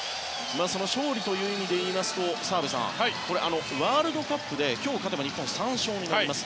その勝利という意味でいいますと澤部さんワールドカップで今日、勝てば日本３勝になります。